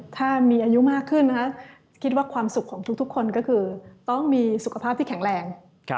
ถ้ามีอายุมากขึ้นคิดว่าความสุขของทุกคนก็คือต้องมีสุขภาพที่แข็งแรง